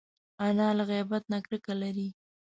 انا له غیبت نه کرکه لري